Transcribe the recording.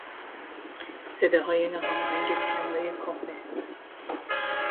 صداهای ناهماهنگ پیانوی کهنه